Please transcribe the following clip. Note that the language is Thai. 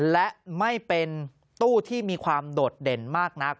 และไม่เป็นตู้ที่มีความโดดเด่นมากนัก